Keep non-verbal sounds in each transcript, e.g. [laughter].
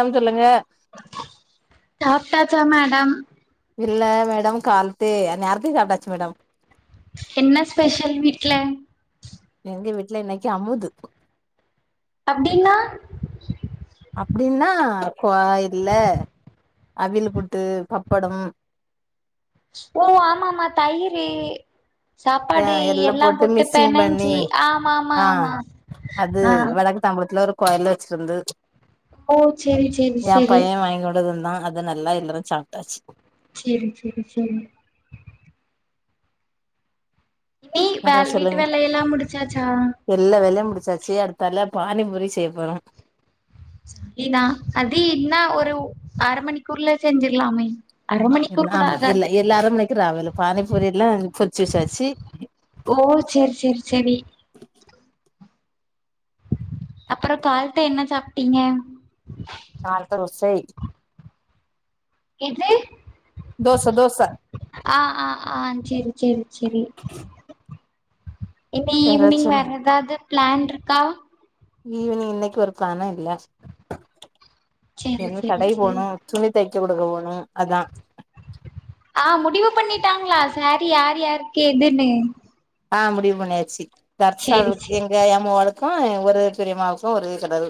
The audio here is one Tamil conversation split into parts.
மேடம் சொல்லுங்க சாப்டாச்சா மேடம் இல்ல மேடம் கால்த்தே நேரத்தே சாப்ட்டாச்சு மேடம் என்ன ஸ்பெஷல் வீட்ல எங்க வீட்ல இன்னைக்கி அமுது அப்டின்னா அப்டின்னா கோ இல்ல அவியில்புட்டு பப்படம் ஓ ஆமா ஆமா தயிரு ஆ சாப்பாடு எல்லா போட்டு மிக்சிங் பண்ணி பெனஞ்சு ஆமா ஆமா ஆமா ஆ தாம்புளத்துல ஒரு கோயில வச்சிருந்து ஓ செரி செரி எ செரி பைய வாங்கி கொண்டு தந்தா அது நல்லா எல்லாரு சாப்ட்டாச்சு சேரி சேரி சேரி நீ வேற வேல் வீட்டு சொல்லுங்க வேலயெல்லா முடிச்சாச்சா எல்லா வேலயு முடிச்சாச்சு அடுத்தால பானிபூரி செய்ய போறோ இனா அது இன்னா ஒரு அர மணிக்கூர்ல செஞ்சுர்லாமே ஆமா இல்ல எல்லா அரமணிக்கூட ஆவாது பானிபூரி எல்லா பொற்ச்சு வெச்சாச்சு ஓ சேர் சேர் சேரி அப்பறோ கால்த்த என்ன சாப்ட்டீங்க கால்த்த ரோசை எது தோச தோச ஆ ஆ ஆ செரி செரி செரி இந்த ஈவினிங் வேற எதாவ்து பிளான்ட்ருக்கா ஈவினிங் இன்னைக்கு ஒரு பிளானு இல்ல சேரி இன்னு சேரி கடை சேரி போனு துணி தெச்ச குடுக்க போணு அதா ஆ முடிவு பண்ணிட்டாங்ளா சேரீ யாரு யாருக் எதுன்னு ஆ முடிவு பண்ணியாச்சு தர்சா சேரி அவளுக் சேரி எங்க [unintelligible] க்கு எ ஒரு பெரியமாவுக்கு ஒரே சடவு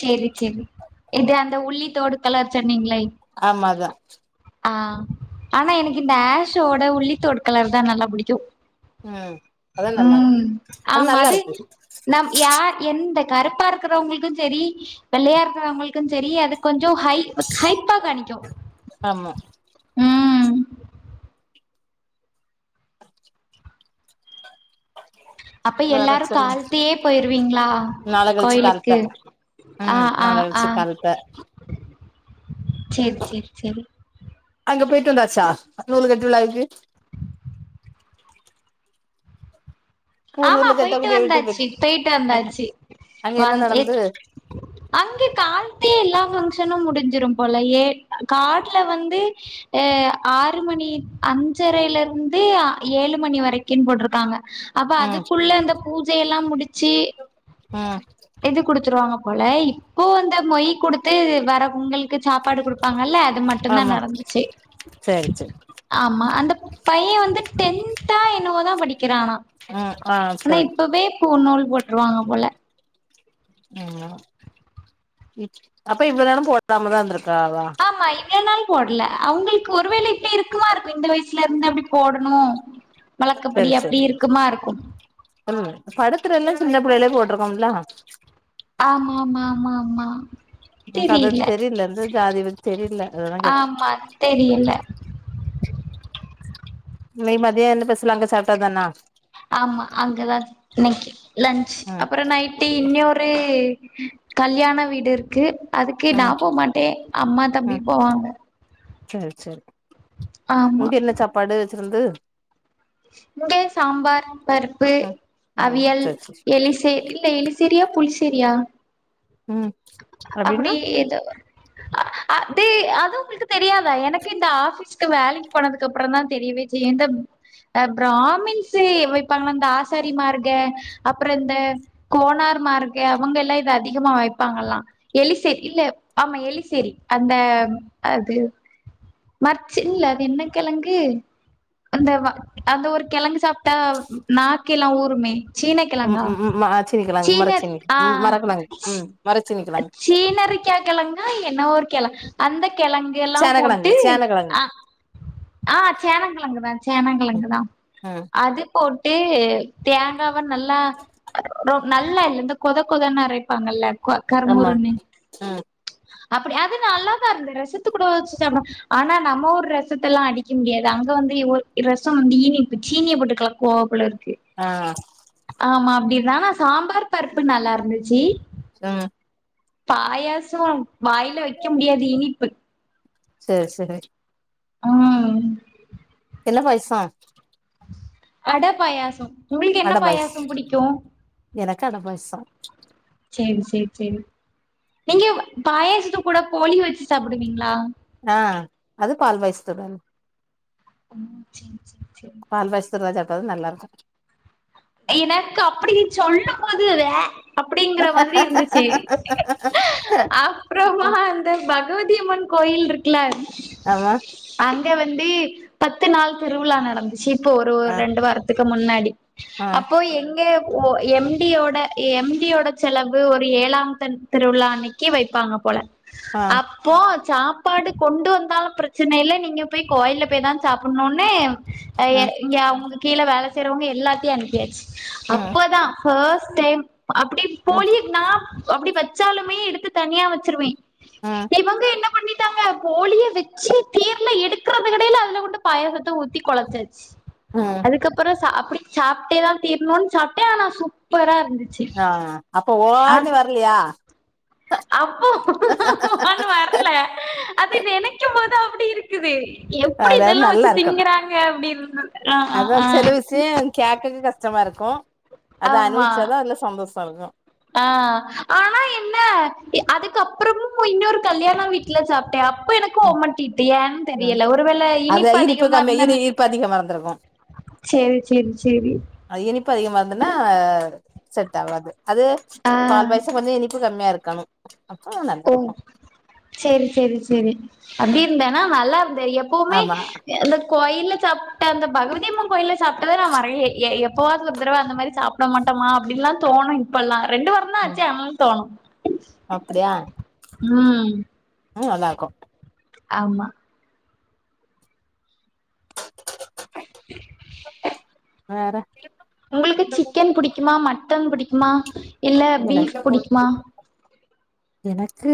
செரி செரி எது அந்த உள்ளித்தோடு கலர் சொன்னீங்ளே ஆமா அதா ஆ ஆனா எனக்கு இந்த ஆஷ்ஷோட உள்ளித்தோடு கலர்தா நல்லா புடிக்கு ம் அதா நல்லா இருக்கு ம் ஆமா நல்லா அது இருக்கு நம் யார் எந்த கருப்பா இருக்குறவங்ளுக்கு செரி வெள்ளையா இருக்குறவங்ளு க்கு செரி அது கொஞ்சோ ஹை ஹைப்பா காணிக்கு ஆமா ம் அப்ப வேற எல்லாரு சொல்லுங் கால்த்தியே போயிருவீங்ளா நாள கழிச்சு கால்த்த கோயிலுக்கு ஆ ம் ஆ நாள ஆ கழிச்சு கால்த்த சேரி சேரி சேரி அங்க போயிட்டு வந்தச்சா நூலக திருவிழாக்கு பூ ஆமா நூலு போயிட்டு கட்டக்கூடிய வீட்டுக்கு வந்தாச்சு போயிட்டு அங்க வந்தாச்சு அங்க என்ன வந் நடந்து எட் அங்க கால்த்தே எல்லா ஃபங்க்ஷனு முடிஞ்சிரும் போல ஏ காட்ல வந்து எ ஆறு மணி அஞ்சரையிலிருந்து ஏழு மணி வரைக்கின் போட்ருக்காங்க அப்ப ம் அதுக்குள்ள இந்த பூஜையெல்லா முடிச்சி ம் இது குடுத்துருவாங்க போல இப்போ வந்த மொய் குடுத்து வர உங்களுக்கு சாப்பாடு குடு ப்பாங்கல்ல அது மட்டுந்தா ஆமா நடந்துச்சு சேரி சேரி ஆமா அந்த பைய வந்து டென்தா என்னவோதா படிக்கிறானா அ ஆ ஆனா சரி இப்பவே பூநூல் போட்ருவாங்க போல ம் இப் அப்ப இவ்ள நேரம் போடாமதா இருந்திருக்காவா ஆமா இவ்வள் நாள் போட்ல அவுங்களுக்கு ஒருவேல இப்டி இருக்குவா இருக்கு இந்த வயசு ஸ்லருந்து அபடி போடணு வழக்கப்படி சரி சரி அப்டி இருக்குமா இருக்கும் ம் படத்துல எல்லா சின்ன பிள்ளையிலே போட்ருக்கோம்லா ஆமா ஆமா ஆமா ஆமா நமக் அது தெரியல தெரில எந்த ஜாதின்னு தெரியில [unintelligible] ஆமா தெரியல இன்னைக்கு மதியோ என்ன ஸ்பெஷல் அங்க சாப்டத்தானா ஆமா அங்கதா இன்னைக்கு லன்ச் ம் அப்பறோ நைட்டு இன்னி ஒ ரு கல்யாண வீடுருக்கு அதுக்கு நா ம் போமாட்டே அம்மா தம்பி போவாங்க தர் ஆமா இங்க பாடு வெச்சிருந்து இங்க சாம்பார் பருப்பு ம் ம் அவியல் சரி சரி எலிசே இல்ல எலி சேரியா புளிசேரியா ம் அப்பிடி அப்டின்னா எதோ அ அ டே அது உங்ளுக்கு தெரியாதா எனக்கே இந்த ஆஃபிஸ் க்கு வேலைக்கு போனதுக்கப்பறந்தா தெரியவே செய்யு இந்த அ ப்ராமின்ஸு வெப்பாங்க இந்த ஆசாரி மார்க அப்றோ இந்த கோணார் மார்கா அவங்கல்லா இத அதிகமா வெப்பாங்களா எலிசேர் இல்ல ஆமா எலிசேரி அந்த அது மர்ச்சு இல்ல அது என்ன கெழங்கு அந்த வ அந்த ஒரு கெழங்கு சாப்ட்டா நாக்கெல்லா ஊறுமே ம் சீனக்கெழங்கா ம் ம் ம சீனிக்கெழங்கு சீன மரச்சீனிக் ஆ ம் மரக்கெழங்கு ம் மரச்சீனிக்கெழங்கு சீனரிக்கா கெழங்கா என்னவோ ஒரு கெழ அந்த கெழங் கெல்லா போட்டு சேனக்கெழங்கு சேனக்கெழங்கு அ ஆ சேனங்கெழங்கு தா ம் சேனங்கெழங்கு தா ம் அது போட் டு தேங்காவ நல்லா ரொ நல்லா இல்ல இந்த கொத கொதன் அரைப்பாங்கல்ல கோ ஆமா கருமுருன்னு ம் அப்படி அது நல்லாதா இருந்து ரசத்து கூட வச்சு சாப்ட ஆனா நம்ம ஊர் ரசத்தெல்லா அடிக்க முடியாது அங்க வந்து ஓர் ர சோ வந்து இனிப்பு சீனிய போட்டுக் கலக்குவாப்புல இருக்கு ஆ ஆமா அப்டி தா ஆனா சாம்பார் பருப்பு நல்லார்ந்துச்சி செம பாயாசோ வாய்ல வெக்க முடியாது இனிப்பு செரி செரி ஆ என்ன பாய்சோ அட பாயாசோ அட பாய்ஸ் எனக்கு அட பாய்சோ சேரி சேரி சேரி நீங்க பாயசத்து கூட போலி வெச்சு சாப்புடுவீங்ளா ஆ அது பால் பாய்ஸ்த்தோட ம் செரி செரி செரி பால் [unintelligible] சாப்டாதா நல்லாருக்கு எனக்கு அப்டி சொல்லு போது வே அப்டிங்கற மாரி இருந்துச்சு அப்றமா வந்து பகவதி அம்மன் கோயில் இருக்குல ஆமா அங்க வந்து பத்து நாள் திருவிழா நடந்துச்சி இப்போ ஒரு ஆ ரெண்டு வாரத்துக்கு முன்னாடி ஆ அப்போ எங்கே ஓ எம் டியோட எம் டி யோட செலவு ஒரு ஏழாம் கண் திருவிழா அன்னைக்கி வைப்பாங்க போல ஆ அப்போ சாப்பாடு கொண்டு வந்தாலு பிரச்சன இல்ல நீங்க போய் கோயில்ல போய் தா சாப்புன்னோனே ம் ஐய அவங்க கீழ வேல செய்யறவங்க எல்லாத்தையு அனுப்பியாச்சி ம் அப்பதா ஃபர்ஸ்ட் டைம் அப்டி ம் போலி நாம் அப்டி வச்சாலுமே எடுத்து தனியா வச்சிருவே ம் இவங்க என்ன பண்ணிட்டாங்கப்போ ஒளிய வச்சு தேர்ல எடுக்கறதுக் கெடையில அதுல கொண்டு பாயசத்த ஊத்தி கொழச்சாச்சு அ அதுக்கப்றோ சா அப்டே சாப்பிட்டே தா தீரணுன் சாப்ட்டே ஆனா சூப்பரா இருந்து ஆ அப்போ ஓ ன்னு வர்லயா அப்போ ஒன்னு வரல அது நெனைக்கு போது அப்டி இருக்குது எப்டி அதாவது இதெல்லா நல்லா வச்சி இருக்கு திங்கிறாங்க அப்டி ஆ ஆ ஆ சே கேக்கதுக்கு கஷ்டமா இருக்கு அத ஆமா அனுபவிச்சாதா அதுல்ல சந்தோஷ இருக்கு ஆ ஆனா என்ன அதுக்குப்புறமு இன்னொரு கல்யாண வீட்ல சாப்ட்டே அப்ப எனக்கு ம் ஓமட்டிட்டு ஏன் ம் தெரியல ஒரு வேள இனிப்பு அதிகமா இருந்தனு உப்பு அதிகமா இருந்துருக்கு சேரி சேரி சேரி அது இனிப்பு அதிகமா வந்துன்னா அ அ செட் ஆவாது அது ஆ பால் பாயசா கொஞ்சோ இனிப்பு கம்மியா இருக்கனு அப்ப ஓ நல்லாருக்கு சேரி சேரி சேரி அப்டி இருந்தன்னா நல்லா இருந்த எப்பவுமே ஆமா அந்த கோயில்ல சாப்ட அந்த பகவதியம்மன் கோயில்ல சாப்டத நா மறயே எ எப்பவாது ஒரு தடவ அந்த மாரி சாப் ட மட்டமா அப்டின்ல்லா தோனு இப்பல்லா ரெண்டு வரோந்தா ஆச்சு அதனால தோனு அப்படியா ம் உம் நல்லாருக்கு ஆமா வேற உங்களுக்கு சிக்கன் புடிக்குமா மட்டன் புடிக்குமா இல்ல பீஃப் எனக்கு புடிக்குமா எனக்கு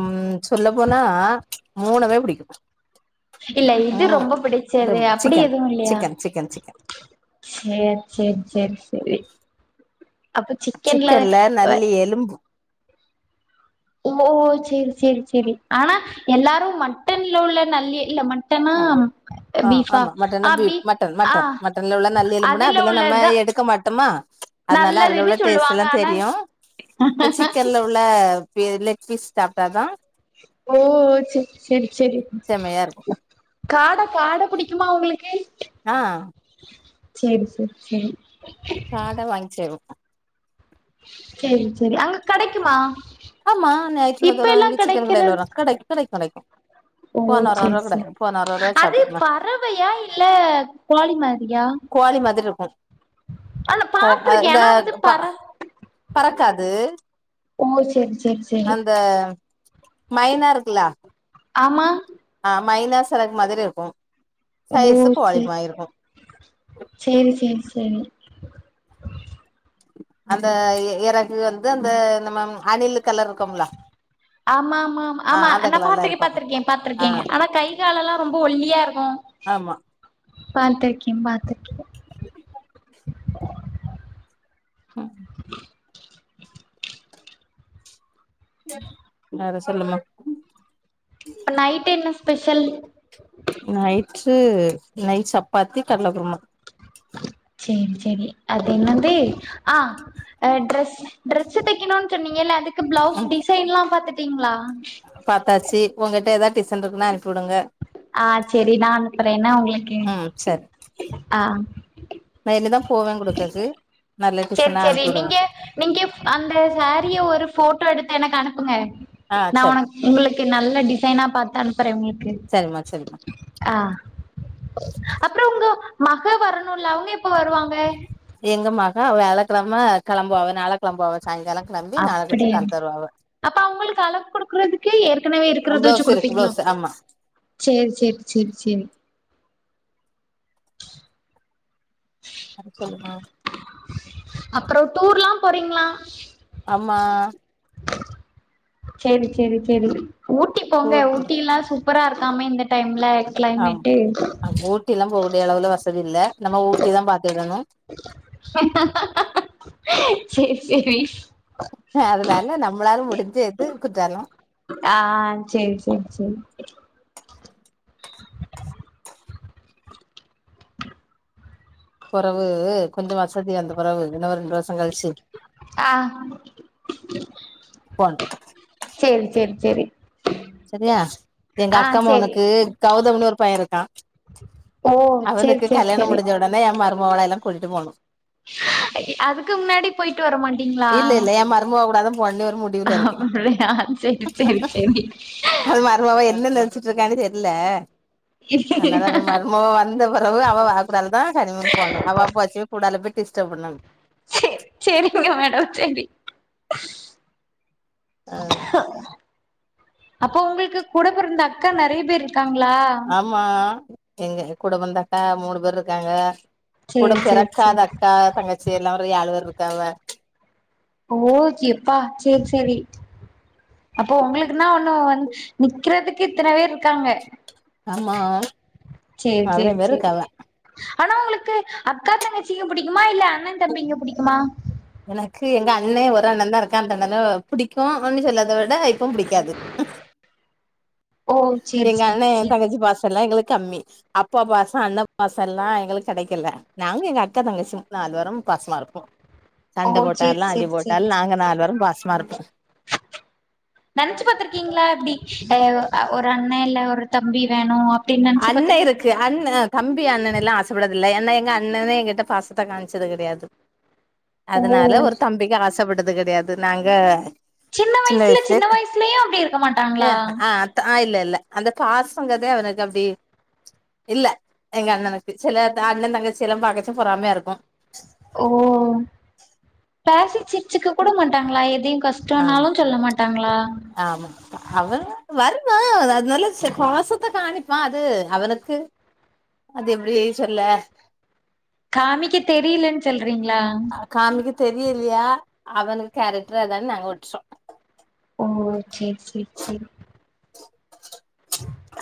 ம் சொல்ல போனா மூனுமே புடிக்கு இல்ல இது ரொம்ப பிடிச்சது ரொம்ப அப்படி சிக்கன் எதுவு இல்லையா சிக்கன் சிக்கன் சிக்கன் சேர் சே சேரி சேரி அப்ப சிக்கன்ல அ எலும்பு ஓ சேரி சேரி சேரி ஆனா எல்லாரும் மட்டன்ல உள்ள நல்லியே இல்லம்மன் த்தம்மா ஆ ஆ பீஃப்பா ஆமா மட்டன்னா அ பீப் பீஃப் மட்டன் அ மட்டன் மட்டன்ல உள்ள நல்லி எலும்புனா அதுல நம்ம உள்ளதுதா எடுக்க மாட்டோமா அதனால அதுல நல்லதுன்னு உள்ள டேஸ்ட் சொல்லுவாங்க எல்லா ஆனா அதுல பே லெக் பீஸ் சாப்ட்டாதா ஓ செரி செரி செரி செமையா இருக்கு காட காட புடிக்குமா உங்களுக்கு ஆ சேரி சேரி சேரி காட வாங்ச்சேர்வோ சேரி சேரி அங்க கெடைக்குமா ஆமா இப்ப ஞாய்ற்றுகெழமைல [unintelligible] எல்லா இங்க சிக்கன் கடைல கெடைக்கிறது வரு கெடைக் கெடைக் கெடைக்கு ஓ போன செரி வாரோ கூட செரி போன வாரோ அது சாப்ட்டோங்க பறவையா இல்ல கோழி மாரியா கோழி மாதிர்ருக்கு ஆனா அ ஆ பாத்திருக்கே இந்த ஆனா அது ப பற பறக்காது ஓ சேரிங் சே அந்த மைனா இருக்குலா ஆமா ஆ மைனா செறகு மாதிரி இருக்கு ஓ சைஸு கோழி சேர் மாரி இருக்கு சேரி சேரி சேரி அந்த எ எறகு வந்து அந்த நம்மம் அணிலு கலர்ருக்கோம்லா ஆமா மா மா ஆமா நா கலர்ல பாத்துகே இருக்கு பாத்துருக்கே ஆ பாத்துருக்கே ஆனாக் கை காலெல்லா ரொம்ப ஒல்லியாருகு ஆமா பாத்திருக்கே பாத்து ம் வேற சொல்லுமா இப்ப நைட்டு என்ன ஸ்பெஷல் நைட்டு நை சப்பாத்தி கல்ல குருமா செரி செரி அது என்னந்து ஆ அ ட்ரெஸ் டிரெஸ்சு தெக்கிணுன் சொன்னீங்கில்ல அதுக்கு பிளவுஸ் டிசைன்லாம் பாத்துட்டீங்ளா பாத்தாச்சி உங்கிட்ட எதா டிசைன் ருக்குன்னா அனுப்பி வுடுங்க ஆ செரி நா அனுப்புறேன்னா உங்ளுக்கு ம் சரி ஆ நா என்னுதாம் போவே குடுக்கக்கு செர் செரி நீங்க நீங்கேப் அந்த சாரீய ஒரு ஃபோட்டோ எடுத்து எனக்கு அனுப்புங்க ஆ நா சரி ஒனக் உங்குளுக்கு நல்ல டிசைனாப் பாத்தனுப்புறே உங்ளுக்கு சரிமா சரிமா ஆ அப்றோ உங்க மக வரணுல்ல அவுங்க எப்ப வருவாங்க எங்க மக வேழக்கெழம கெளம்புவா அதனாலக் க்ளம்வா அவெ சாயங்காலங் க்ளம்பி நாள கழ்ச்சி அப்படியா கழ்த்தருவா அவெ அப்ப அவுங்குளுக்கு அளக் குடுக்றதுக்கு ஏற்கனவே இருக்குறத வெச்சு பிளவுஸ் இருக்கு குடுப்பீங்ளோ பிளவுஸ் ஆமா சேர் சேர் செரி செரி ஆ சொல்லுங்கா அப்றோ டூர்லாம் போறீங்ளா அம்மா செரி செரி செரி ஊட்டி போங்க டூர் போற ஊட்டியிலா சூப்பரா இருக்காமே இந்த டைம்ல ஆம் கிளைமேட்டு அம் ஊட்டியெலாம் போகூடிய அளவுல வசதி இல்ல நம்ம ஊட்டிதாம் பாத்திடணும் சேர் செரி அதனால நம்ளாலும் முடிஞ்ச்சது குற்றாலோ ஆ செரி செரி செரி பொறவு கொஞ்சோ வசதி அந்த பொறவு இன்ன ஒரு ரெண்டு வர்ஷோ கழ் ஆ போணும் சேரி சேரிங் சேரி செரியா எங்க ஆ அக்கா சேரி மவுனுக்கு கௌதம்னு ஒரு பையே இருக்கா ஓ சேரி அவுனுக்கு சேரி கல்யாணம் சேரி முடிஞ்ச ஒடனே எம் மருமவுள எல்லாம் கூட்டிட்டு போணு [unintelligible] அதுக்கு முன்னாடி போயிட்டு வரமாட்டீங்ளா இல்ல இல்ல என் மருமவ கூடதான் போணும்னு ஒரு முடிவுல இருக்கு அப்டியா செரி செரி செரி அ மருமவ என்ன நெனச்சிட்ருக்கானு தெர்ல அன்னால அந்த மருமவ வந்த பெறவு அவெவ அவ் கூடாலுதா [unintelligible] டிஸ்டப் பண்ணங் சேர் சேரிங்க மேடம் சேரி ஆ அப்போ உங்களுக்கு கூட பிறந்த அக்கா நறைய பேர் இருக்காங்ளா ஆமா எங்க கூடப் பொறந்த அக்கா மூணு பேர் இருக்காங்க கூட சேரி சேரி பிறக்காத சேரி அக்கா தங்கச்சி எல்லா ஒரு ஏழுபேர் இருக்காவ ஓகேப்பா செர் செரி அப்போ உங்களுக்குனா ஒண்ணு நிக்றதுக்கு இத்தன பேர்ருக்காங்க ஆமா நெறைய சேரி பேர் சேரி இருக்காவ ஆனா உங்களுக்கு அக்கா தங்கச்சிங்க புடிக்குமா இல்ல அண்ண தம்பிங்க புடிக்குமா எனக்கு எங்க அண்ண ஒரு அண்ண தா இருக்கான்றனால புடிக்கு [unintelligible] சொல்லாத த இப்பவும் புடிக்காது ஓ சேரி எங்க சேரி அண்ணே என் சேரி தங்கச்சி பாசல்லா எங்களுக் கம்மி அப்பா பாசோ அண்ண பாசோலா எங்களுக் கெடைக்கல நாங்க எங்க அக்கா தங்கச்சி நால் பேரும் பாசமா இருப்போ ஓ சண்ட சேரி போட்டாலு அடி சேரி சேரி போட்டாலு சேரி நாங்க நாலு பேரு பாசமா இருப்போ நெனச்சு பாத்திருக்கீங்ளா இப்டி அ ஒரு அண்ண இல்ல ஒரு தம்பி வேணு அப்டின்னு நெனச்சு அண்ண பாத்துரு இருக் கு அண்ண தம்பி அண்ணன் எல்லா ஆசப்பட்டதில்ல ஏன்னா எங்க அண்ணனே எங்ககிட்ட பாசத்த காம்ச்சது கெடையாது ஓ அதனால ஒரு தம்பிக்கு ஆசப்பட்டது கெடையாது நாங்க சின்ன வயசுல சின்ன வயசுலியு அப்டி இருக்க ஆ மாட்டாங்ளா ஆ ஆ இல்ல இல்ல அந்த பாசங்கறதே அவனுக் இது அப்டி இல்ல எங்க அண்ணனுக்கு சில அண்ண தங்கச்சிலா பாக்கச்ச பொறாமையா இருக்கு ஓ பேசி சிரிச்சிக்க கூட மாட்டாங்ளா எதையு ஆமா கஷ்டோனாலு சொல்ல மாட்டாங்ளா ஆமா [inaudible] அவன் வருவா அது நல்ல பாசத்த காணிப்பான் அது அவனுக்கு அது எப்டி சொல்ல காமிக்க தெரிலன் சொல்றீங்ளா காமிக்க தெரிலியா அவனுக்கு கேரக்டர் அதான் நாங்க உட்சோ ஓ சேரி சேரி சேரி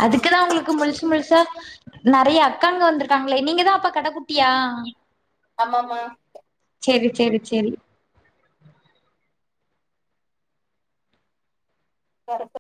அதுக்குதா உங்களுக்கு முழுசு முழுசா நெறைய அக்கங்க வந்திருக்காங்ளே நீங்க தா அப்ப கட குட்டியா ஆமாமா செரி செரி செரி கரெக்ட்டு